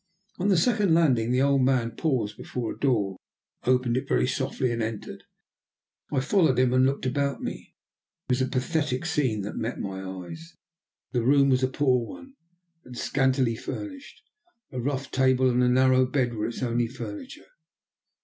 On the second landing the old man paused before a door, opened it very softly, and entered. I followed him, and looked about me. It was a pathetic scene that met my eyes. The room was a poor one, and scantily furnished. A rough table and a narrow bed were its only furniture.